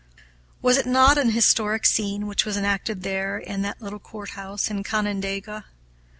Was it not an historic scene which was enacted there in that little courthouse in Canandaigua?